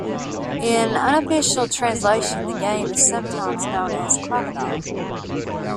In unofficial translations, the game is sometimes known as "Crocodile".